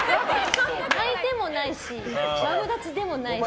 泣いてもないしマブダチでもないし。